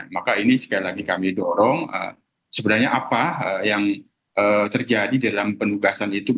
maka ini sekali lagi kami dorong sebenarnya apa yang terjadi dalam penugasan itu